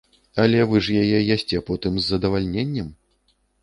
Але вы яе ж ясце потым з задавальненнем.